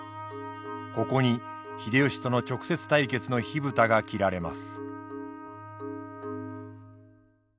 ここに秀吉との直接対決の火蓋が切られます。